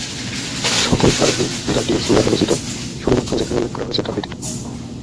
সকল track the Tubes দ্বারা রচিত; শুধুমাত্র যেখানে উল্লেখ করা হয়েছে তা ব্যতীত।